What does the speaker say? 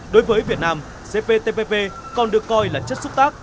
đối với việt nam cptpp còn được coi là chất xúc tác